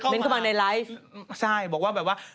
เม้นเข้ามาในไลฟ์